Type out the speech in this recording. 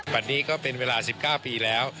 นี้ก็เป็นเวลา๑๙ปีแล้ว